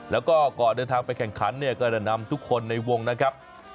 แล้วก็ก่อนเดินทางไปแข่งขันเนี่ยก็จะนำทุกคนในวงนะครับ